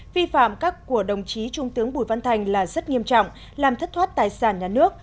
vi phạm các của đồng chí trung tướng bùi văn thành là rất nghiêm trọng làm thất thoát tài sản nhà nước